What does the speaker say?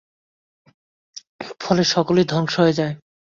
ফলে সকলেই ধ্বংস হয়ে যায়।